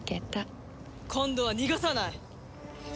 今度は逃がさない！